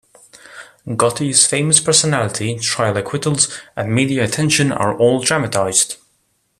Gotti's famous personality, trial acquittals, and media attention are all dramatized.